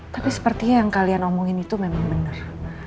tapi sepertinya yang kalian omongin itu memang benar